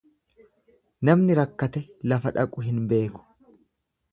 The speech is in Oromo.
Namni rakkate lafa dhaqu hin beeku.